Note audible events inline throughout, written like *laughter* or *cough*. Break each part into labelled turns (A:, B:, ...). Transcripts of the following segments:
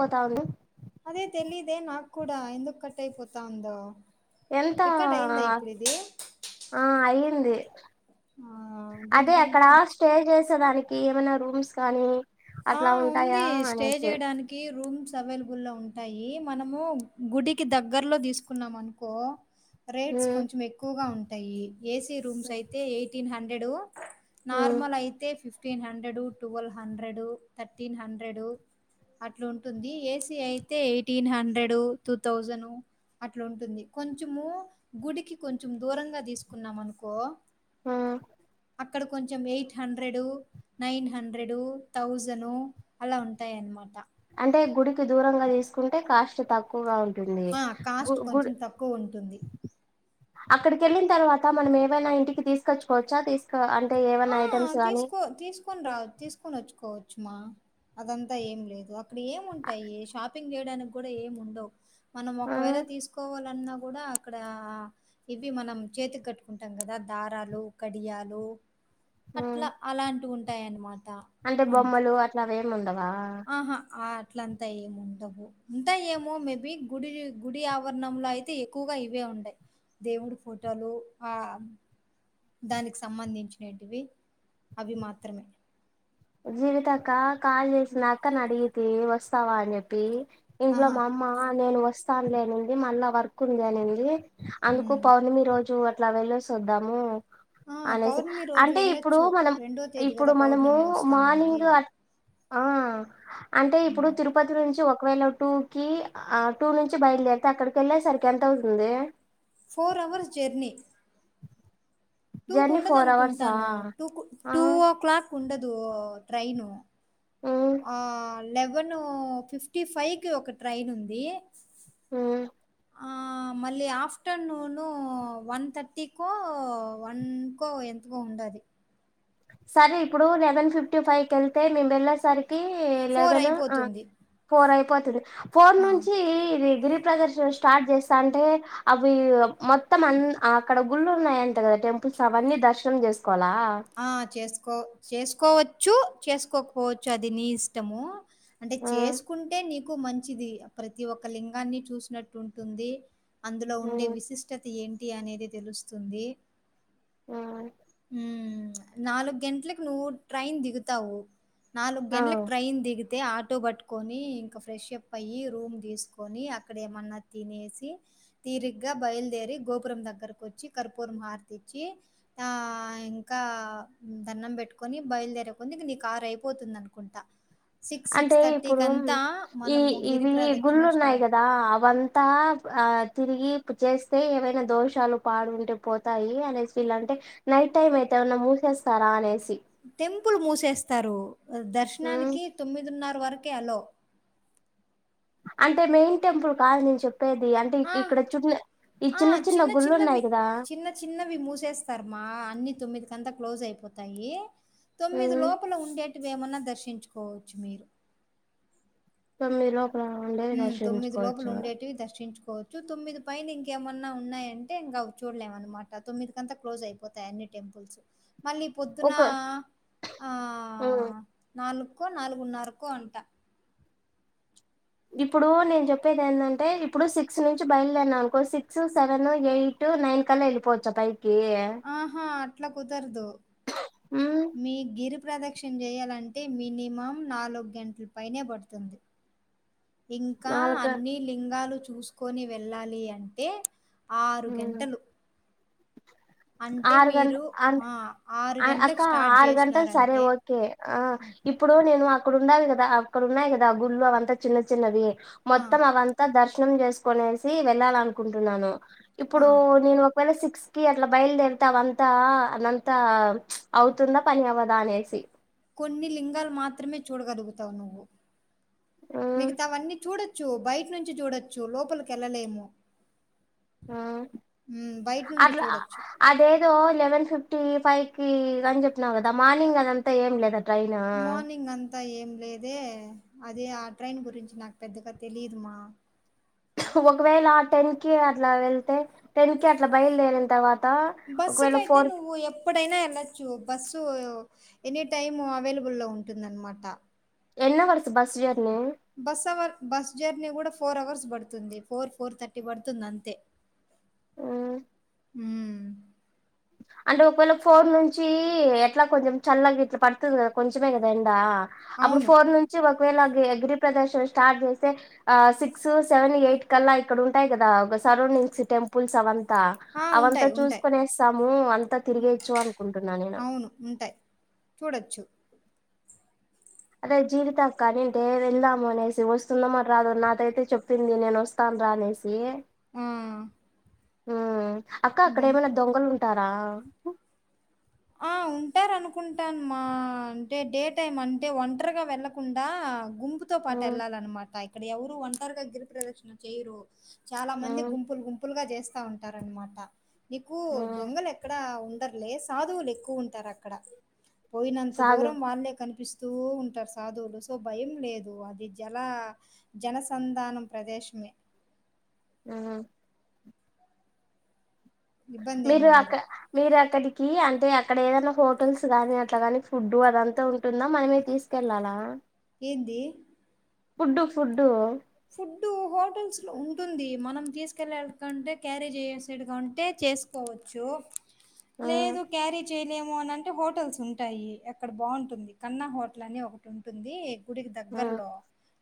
A: పోతాఉండు
B: అదే తెలిదే నాకు కూడా ఎందుకు కట్టయిపోతా ఉందో
A: ఎంత
B: రికార్డ్ అయిందా ఇప్పుడు ఇది
A: ఆ అఐ ఇంది
B: ఆ
A: అదే అక్కడ
B: దీనికంతా
A: స్టే చేసి డానికి ఏమైనా రూమ్స్ కానీ
B: ఆ
A: అట్లా ఉంటాయా
B: ఉంది స్టే
A: అనేసి
B: చేయడానికి రూమ్స్ అవైలబుల్లొ ఉంటాయి మనము గుడికి దగ్గరలో తీసుకున్నాం అనుకో రేట్స్
A: ఉమ్
B: కొంచెం ఎక్కువగా ఉంటాయి ఏసీ రూమ్స్ అయితే ఎయిట్ హండ్రెడ్
A: ఉమ్
B: నార్మల్ అయితే fifty fifteen hundred twelve hundred thirteen hundred అట్లుంటుంది ఏసి అయితే ఎయిటీన్ హండ్రెడ్ టూ థౌజండ్ అట్లుంటుంది కొంచము గుడికి కొంచెం దూరంగా తీసుకున్నాం అనుకో
A: ఆ
B: అక్కడ కొంచెం eight hundred nine hundred thousand అలా ఉంటాయి అన్నమాట
A: అంటే గుడికి దూరంగా తీసుకుంటే కాస్ట్ తక్కువగా ఉంది టుంది
B: ఆ
A: గు
B: కాస్ట్
A: గుడి
B: కొంచెం తక్కువ ఉంటుంది
A: అక్కడికి వెళ్ళిన తర్వాత మనం ఏవైనా ఇంటికి తీసుకొచ్చుకోవచ్చా తీసుకు అంటే ఏవైనా
B: ఆ
A: ఐటమ్స్ గానీ
B: తీసుకో తీసుకొని రావ తీసుకొని వచ్చుకోవచ్చు చమా అదంతా ఏం లేదు అక్కడ ఏముంటాయి షాపింగ్ చేయడానికి కూడా ఏమి ఉండవు మనం
A: ఆ
B: ఒకవేళ తీసుకోవాలన్నా కూడా అక్కడ ఇవి మనం చేతికి కట్టుకుంటాం కదా దారాలు కడియాలు
A: ఉమ్
B: అట్లా అలాంటి ఉం టాయానమాట
A: అంటే బొమ్మలు అట్లావే ఉండవ్
B: ఆహా ఆ అట్లంతా ఏమిండవు ఉంటాయి ఏమో మేబీ గుడి గుడి ఆవరణంలో అయితే ఎక్కువగా ఇవే ఉండయి దేవుడి ఫోటోలు ఆ దానికి సంబంధించినటివి అవి మాత్రమే
A: జీవితక్క కాల్ చేసింది అక్కను అడిగితి వస్తావా అని చెప్పి ఇంట్లో
B: ఆహా!
A: మా అమ్మ నేను వస్ సర్లే అనింది మళ్ళా వర్క్ ఉంది అనింది అందుకు
B: హ్మ్.
A: పౌర్ణమి రోజు అట్లా వెళ్లేసోద్దాము
B: ఆ పౌర్ణమి రోజు వెళ్ళొచ్చు
A: మనం
B: రెండో తేదీ
A: ఇప్పుడు
B: కదా
A: మనము
B: పౌర్ణమి వస్తుంది
A: మార్నింగ్ ఆ అంటే ఇప్పుడు
B: హ్మ్.
A: తిరుపతి నుంచి ఒకవేళ టూ కి ఆ టూ నుంచి బయలుదేరితే అక్కడికి వెళ్ళే సరికి ఎంత అవుతుందే.
B: ఫోర్ అవర్స్ జర్నీ టూ కు
A: జర్నీ
B: ఉండదు
A: ఫోర్ అవర్సా
B: అనుకుంటాను. టూ
A: ఆ
B: టూ ఓ క్లాక్ ఉన్న దు ట్రైను
A: ఉమ్
B: ఆ లెవెన్ ఫిఫ్టీ ఫైవ్ కి ఒక ట్రైన్ ఉంది.
A: మ్మ్
B: మళ్ళీ ఆఫ్టర్నూను వన్ థర్టీకో వన్కో ఎంతకో ఉండాది
A: సరే ఇప్పుడు లెవెన్ ఫిఫ్టీ ఫైవ్ క వెళ్తే మేము వెళ్ళసరికి లేవన్
B: అయిపోతుంది.
A: ఫోర్ అయి *inaudible* ఫోర్
B: ఆ!
A: నుంచి గిరి ప్రదర్శన స్టార్ట్ చేస్తా అంటే అవి మొత్తం అ అక్కడ గుళ్ళు ఉన్నాయి అంతే కదా టెంపుల్స్ అవన్నీ దర్శనం చేస్త కొలా
B: కో చేసుకోవచ్చు చేసుకోకపోవచ్చు అది నీ ఇష్టము. అంటే
A: ఉమ్
B: చేసుకుంటే నిక్ మంచిది ప్రతి ఒక్క లింగాన్ని చూసినట్టు ఉంటుంది. అందులో ఉండే
A: ఉమ్
B: విశిష్టత ఏంటి అనేది తెలుస్తుంది.
A: ఆ
B: నాలుగు గంటలకు నువ్వు ట్రైన్ దిగుతావు. నాలుగు
A: ఆ
B: గంటలకి ట్రైన్ దిగి అయితే ఆటో పట్టుకొని ఇంకా ఫ్రెష్ అప్ అయి రూమ్ తీసుకొని అక్కడ ఏమన్నా తినేసి తీరిగ్గా బయలుదేరి గోపురం దగ్గరకు వచ్చి కర్పూరం హారతి ఇచ్చి ఆ ఇంకా దన్నం పెట్టుకొని బయలుదేరే కొద్ది ఇంక నీ కార్ అయిపోతుంది అనుకుంటా
A: అంటే ఇప్పుడు ఈ
B: మనము గిరి
A: ఇవి
B: ప్రదక్షిణ
A: గుళ్ళు ఉన్నాయి
B: స్టార్ట్
A: కదా అవంతా ఆ తిరిగి చేస్తే ఏవైనా దోషాలు పాడుంటె పోతాయి అనేసి ఇలాంటే నైట్ టైం అయితే ఏమన్నా మూసేస్తారా అనేసి
B: టెంపుల్ మూసేస్తారు.
A: ఉమ్
B: దర్శనానికి తొమ్మిదిన్న వరకే అల్లో
A: అంటే మెయిన్ టెంపుల్ కాదు నేను ప్పేది అంటే ఇక్కడ
B: ఆ!
A: చున్న ఈ
B: ఆ!
A: చిన్న చిన్న గుళ్ళు
B: చిన్నవి.
A: ఉన్నాయి కదా
B: తొమ్మిది కంతా క్లోజ్ అయిపోతాయి. తొమ్మిది
A: ఉమ్
B: లోపల ఏమన్నా దర్శించుకోవచ్చు మీరు
A: స మీరు
B: తొమ్మిది లోపల ఉండేవి దర్శించు కోవచ్చు తొమ్మిది పైన ఇంకేమన్నా ఉన్నాయంటే ఇంకా చూడలేం అనమాట తొమ్మిది కంతా క్లోజ్ అయిపోతాయి అన్ని టెంపుల్స్ మళ్ళీ పొద్దున
A: ఒక ఉమ్
B: నాలుగు కో నాలుగున్నరకో అంట
A: ఇప్పుడు నేను చెప్పేది ఏంటంటే ఇప్పుడు సిక్స్ నుంచి బయలుదేనా అనుకో సిక్స్ సెవెన్ ఎయిట్ నైన్ కల్లా వెళ్ళిపోవచ్చ బై
B: ఆహా అట్లా కుదరదు
A: ఉమ్
B: మీ గిరి ప్రదక్షణ చేయాలంటే మినిమం నాలుగు గంటల పైనే పడుతుంది ఇంకా
A: నాలుగు
B: అన్ని లింగాలు చూసుకొని వెళ్ళాలి అంటే ఆరు
A: ఉమ్
B: గంటలు అంటే
A: ఆరు గంట
B: మీరు ఆ!
A: అక్క
B: గంటలకు స్టార్ట్
A: ఆరు గంటలు సరే
B: చేసినారంటే
A: ఓకే ఆ ఇప్పుడు నేను అక్కడ ఉన్నావి కదా అక్కడ ఉన్నాయి కదా గుళ్ళు అవంతా చిన్న చిన్నవి
B: ఆ!
A: మొత్తం అంతా దర్శ ణం చేసుకునేసి వెళ్ళాల అనుకుంటున్నాను
B: ఆ!
A: ఇప్పుడు నేను ఒక సిక్స్టీ అట్లా బయలుదేరుతావ అంత అంతా అవుతుందా పని అవ్వదా అనేసి
B: కొన్ని లింగాలు మాత్రమే చూడగలుగుతావు నువ్వు
A: ఉమ్,
B: మిగతావన్నీ చూడచ్చ బయట నుంచి చూడొచ్చు లోపలికి వెళ్ళలేము నుంచి
A: అట్లా
B: చూడొచ్చు.
A: అదేదో లెవెన్ ఫిఫటీ టీ ఫైవ్ కి అని చెప్పినన్నావు కదా మార్నింగ్ అదంతా ఏం లేదు
B: మార్నింగ్ అంతా ఏం లేదే అదే ఆ ట్రైన్ గురించి నాకు పెద్దగా తెలిదుమా
A: ఒకవేళ టెన్ కి అట్లా వెళ్తే టెన్ కి అట్లా బయలుదేరిన తర్వాత
B: బస్సు
A: ఒకవేళ
B: కైతే
A: ఫోర్
B: నువ్వు ఎప్పుడైనా ఎలా బస్సు ఎనీ టైమ్ అవైలబుల్ ఉంటుంద అనమాట
A: ఎన్ని వర్స bus journey
B: bus hour bus journey కూడా ఫోర్ అవర్స్ పడుతుంది ఫోర్ ఫోర్ థర్టీ పడుతుంది అంతే
A: ఆ
B: ఉ
A: అంటే ఒకవేళ ఫోన్ నుంచి ఎట్లా కొంచెం చల్లగా ఇట్లా పడుతుంది కదా కొంచమే కదా ఎండా అప్పుడు
B: అవును
A: ఫోర్న్ నుంచి మా ఒకవేళ గిరి ప్రదర్శన స్టార్ట్ చేస్తే ఆ సిక్స్ సెవెన్ ఎయిట్ కల్లా ఇక్కడ ఉంటాయి కదా ఒక సరౌండింగ్స్ టెంపుల్స్ అవ
B: ఆ,
A: అవంతా
B: ఉంటాయి ఉంటాయి
A: చూసుకొనే ము అంతా తిరిగేచ్చు అనుకుంటున్నా నేను
B: చ్చు
A: అదే జీవితా అక్క అనింటే వెళ్దాము అనేసి వస్తుందొ మరి రాదో నాతో అయితే చెప్పింది నేను వస్తాను రా అనేసి
B: ఆ
A: మ్మ్ అక్క అక్కడ
B: దాని
A: ఏమైనా దొంగలు ఉన్ ఉంటారా
B: ఆ ఉంటారు అనుకుంటాను మా అంటే డే టైం అంటే ఒంటరిగా వెళ్ళకుండా గుంపుతో పాటు
A: ఉమ్
B: వెళ్ళాలన్నమాట పై అక్కడ ఎవరూ ఒంటారుగా గిరిప్రదర్శన చేయ్యరు చాలా మంది
A: ఉమ్
B: గుంపులు గుంపు పులుగా చేస్తా ఉంటారనమాట నీకు
A: ఉమ్
B: దొంగలు ఎక్కడ ఉన్ టారు లేస్ సాధువులు ఎక్కువ ఉంటారు అక్కడ పోయినంత
A: సాగు
B: దూరం వాళ్ళే కనిపిస్ తూ ఉంటారు సాధువులు సో భయం లేదు అది జల జనసంధానం ప్రదేశమే
A: మ్మ్ హు మీరు
B: ఇబ్బందేముండదు.
A: అక్కడ మీరు అక్కడి కి అంటే అక్కడ ఏదైనా హోటల్స్ గాని అట్లాగాని ఫుడ్డు అదంతా ఉంటుందా మనమే తీసుకెళ్ళాలా
B: ఏంది
A: ఫుడ్డు ఫుడ్డు
B: ఫుడ్డు హోటల్స్ లో ఉంటుంది, మనం తీసుకెళ్ళ కంటే క్యారీ చేసైడ్ కంటే చేసుకోవచ్చు
A: ఉమ్
B: లేదు కారీ చేయలేము అని అంటే హోటల్స్ ఉంటాయి, అక్కడ బాగుంటుంది కన్నా హోటల్ అని ఒకటి ఉంటుంది. గుడికి
A: ఉమ్
B: దగ్గరలో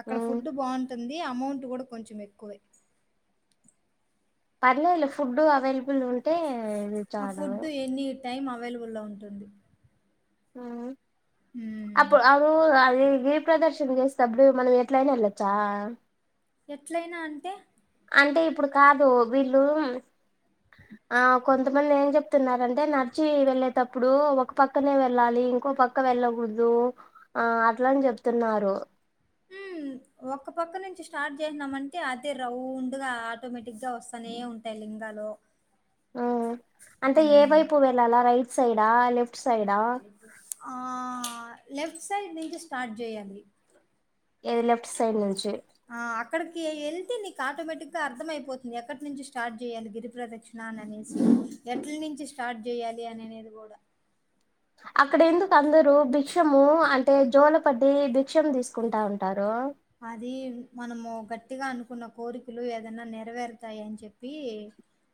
B: అక్కడ
A: ఉమ్
B: ఫుడ్ బం ంది అమౌంట్ కూడా కొంచెం ఎక్కువే
A: పర్లేల ఫుడ్ అవైలబుల్ ఉంటే ఇది
B: ఆ
A: చాలు
B: ఫుడ్ ఎన్ని టైం అవైలబులో ఉంటుంది
A: ఆ
B: హ్మ్.
A: అప్పు అవు అది ఏ ప్రదర్శన చేస్తప్పుడు మనం ఎట్లయినా వెళ్ళొచ్చా
B: ఎట్లైనా అంటే
A: అంటే ఇప్పుడు కాదు వీళ్ళు, ఆ కొంతమంది ఏం చెప్తున్నరు అంటే నడిచి వెళ్ళేటప్పుడు ఒక పక్కనే వెళ్ళాలి, ఇంకో పక్క వెళ్ళకూడదు ఆ అట్లని చెప్తున్నారు
B: ఉ ఒక్క పక్క నుంచి స్టార్ట్ చేసినామ అంటే, అదే రౌండ్ గా ఆటోమేటిక్గా వస్తానే ఉంటాయి లింగాలు
A: అ అంటే ఏ
B: హ్మ్.
A: వైపు వెళ్ళాలా రైట్ సైడ్ ఆ లే
B: ఆ లెఫ్ట్ సైడ్ నుంచి స్టార్ట్ చేయాలి
A: ఏది లెఫట్ సైడ్ నుంచి
B: ఆ అక్కడికి వెళ్తే నీకు ఆటోమేటిక్గా అర్థం అయిపోతుంది ఎక్కడి నుంచి స్టార్ట్ చేయాలి గిరి ప్ర్రదక్షిణ అని అనేసి ఎట్ల నుంచి స్టార్ట్ చేయాలి అనినేది కూడా
A: అక్కడ ఎందుకు కందరు భిక్షము అంటే జో భిక్షము తీసుకుంటా ఉంటారు
B: అది మనము గట్టిగా అనుకున్న కోరికలు ఏదైన్నా నెరవేరుతాయి అని చెప్పి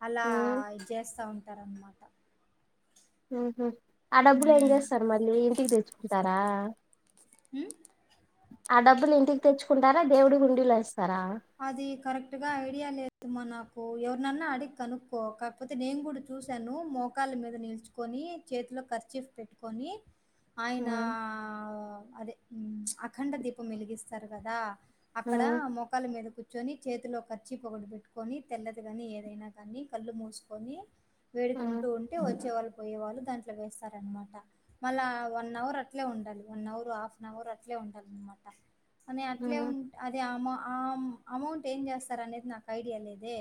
B: అలా
A: ఉమ్
B: చేస్తా ఉంటారు అన్నమాట
A: ఉహు ఆ డబ్బులు ఏం
B: ఉమ్
A: చేస్తారు మళ్ళీ ఇంటికి తెచ్చుకుంటార ఆ
B: మ్
A: ఆ డబ్బులు ఇంటికి తెచ్చుకుంటారా దేవుడి హుండీలో వేస్తా
B: అది కరెక్ట్ గా ఐడియా లేదు మా నాకు ఎవరినన్నా అడిగి కనుక్కో కాకపోతే నేను కూడా చూసాను మోకాల మీద నిల్చుకొని చేతిలో కర్చీఫ్ పెట్టుకొని. ఆయన మ్ అదే అఖండ దీపం వెలిగిస్తారు కదా అక్కడ మొక్క మీద కూర్చొని చేతిలో కర్చిపోకటి పెట్టుకొని తెల్లది కాని ఏదైనా కాని కళ్ళు మూసుకొని వేడుకుంటూ ఉంటే వచ్చే వాళ్ళు పోయే వాళ్ళు దాంట్లో వేస్తారనమాట మళ్ళీ వన్ అవర్ అట్లే ఉండాలి one hour half an hour అట్లే ఉండాల అనమాట అని అట్లే ఉంటే అది ఆమ అమౌ అమౌంట్ ఏం చేస్తారనేది నాకు ఐడియా లేదే.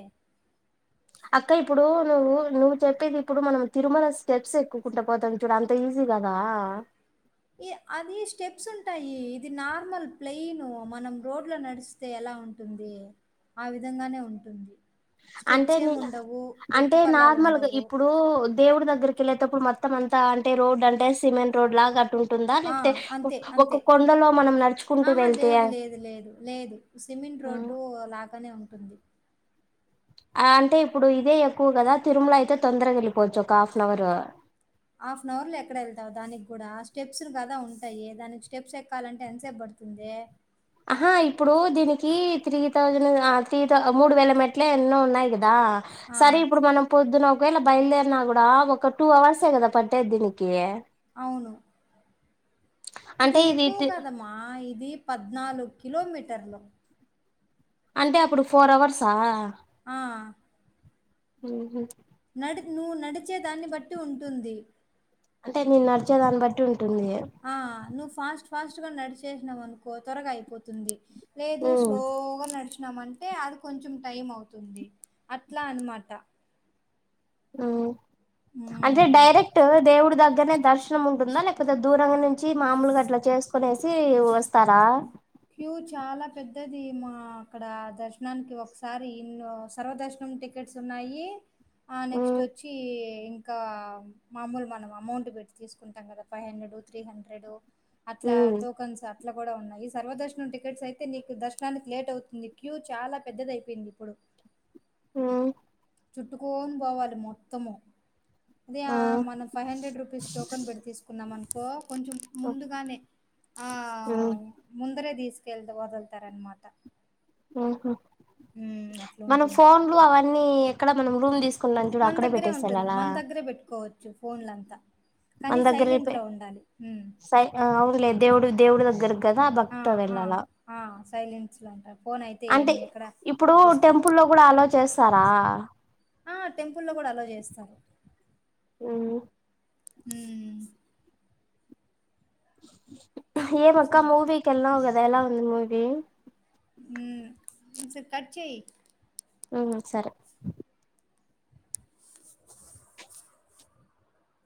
A: అక్క ఇప్పుడు నువ్వు నువ్వు చెప్పేది ఇప్పుడు మనం తిరుమల స్టెప్స్ ఎక్కుకుంటా పోతాం చూడు అంత ఈజీ కాదా
B: ఈ అది స్టెప్స్ ఉంటాయి ఇది నార్మల్ ప్లయిన్ మనం రోడ్ లో నడిస్తే ఎలా ఉంటుంది ఆ విధంగానే ఉంటుంది
A: అంటే
B: స్టెప్స్
A: న
B: ఏమి ఉండవు
A: అంటే
B: ఎత్తుపల్లాలు
A: నార్మల్గా
B: ఉండవు
A: ఇప్పుడు దేవుడి దగ్గరకి కేళ్ళేటప్పుడు మొత్తం అంతా అంటే రోడ్ అంటే సిమెంట్ రోడ్ లాగా అట్టుంట
B: ఆ అంతే అంతే
A: మనం నడుచుకుంటూ
B: ఆహా
A: వెళ్తే
B: లేదు లేదు లేదు లేదు సిమెంట్
A: ఉమ్.
B: రోడ్డు లాగానే ఉంటు టుంది.
A: అంటే ఇప్పుడు ఇదే ఎక్కువ కదా తిరుమల అయితే తొందరగా వెళ్ళిపోవచ్చు ఒక half an hour
B: half an hour లో ఎక్కడ వెళ్తావు దానికి కూడా స్టెప్స్ కదా ఉంటాయి దానికి స్టెప్స్ ఎక్కాలంటే ఎంతసేప్ పడుతుంది
A: ఆహా ఇప్పుడు దీనికి త్రీ థౌజండ్ ఆ త్రీ మూడు వేల మెట్లే ఎన్నో ఉన్నాయి కదా ద
B: ఆ
A: సరే ఇప్పుడు మనం పొద్దున ఒకవేళ బయలుదేరినా కూడా ఒక టూ అవర్సే కదా పట్టేది దీనికి
B: అవును ఇది
A: అంటే
B: ఎక్కువ
A: తి
B: కదమ్మా ఇది పద్నాలుగు. కిలోమీటర్లో
A: అంటే అప్పుడు ఫోర్ అవర్స సా
B: ఆ.
A: ఉహు
B: నడి నువ్ నడిచే దాన్ని బట్టి ఉంటుంది
A: అంటే నేను నడిచే దాన్ని బట్టి ఉం
B: ఆ నూ ఫాస్ట్ ఫాస్ట్ గా నడిచేసినావు అనుకో త్వరగా అయిపోతుంది లేదు
A: ఉమ్,
B: స్లోగా నడుచు నామంటే అది కొంచెం టైం అవుతుంది అట్లా అన్నమాట
A: హ అంటే
B: హ్మ్.
A: డైరక్ట్ దేవుడు ద దగ్గరనే దర్శనం ఉంటుందా లేకపోతె దూరంగ నుంచి మామూలగట్ల చేసుకునేసి వస్తారా
B: క్యూ చాలా పెద్దది మా అక్కడ దర్శనానికి ఒకసారి ఇన్న్ సర్వదర్శనం టికెట్స్ ఉన్నాయి ఆ నెక్స్ట్
A: ఉమ్,
B: ఒచ్చి ఇంకా మామూల్ మనం అమౌంట్ పెట్టి తీస్కుంటాం కదా ఫైవ్ హండ్రెడు త్రీ హండ్రెడు అట్లా
A: ఉమ్,
B: టోకన్స్ అ ట్ల కూడా ఉన్నాయి సర్వదర్శనం టికెట్స్ ఐతే నీకు దర్శనానికి లేటవుతుంది క్యూ చాలా పెద్దదైపోయింది ఇప్పుడు
A: అహ
B: చుట్టుకోని పోవాలి మొత్తము అదే
A: ఆ,
B: మనం ఫైవ్ హండ్రెడ్ రుపీస్ టోకెన్ పెట్టి తీసుకున్నాము అను కో కొంచెం ముందుగానె ఆ
A: ఉమ్,
B: ముందరే తీసు తేల్ వదులుతారన్నమాట
A: అహ మన
B: ఉంటుంది.
A: ఫోన్లు అవన్నీ ఎక్కడ మనం రూమ్ తీస్
B: మన దగ్గరే ఉంటుంది మన దగ్గరే పెట్టుకోవ ఫోన్ లంత
A: మన దగ్గరే పె
B: హ్మ్.
A: సై అవునులే దేవుడు దేవుడు ద కదా
B: ఆ!
A: భక్తి
B: ఆ!
A: వెళ్ళాల
B: ఆ! సైలెన్స్‌లో ఉంటారు. ఫోన్ అయితే ఏం
A: అంటె
B: ఎక్కడ
A: ఇప్పుడు
B: తీసుకోరు.
A: టెంపుల్ లో కూడా అలో చేస్తారు ఆ
B: ఆ టెంపుల్లో కూడా అలో చేస్తారు ఉహు
A: ఏం
B: సో
A: అక్క మూవీకి వెళ్ళినావు కదా ఎలా ఉంది మూవీ
B: సర్ కట్చేయ్
A: మ్మ్ సరే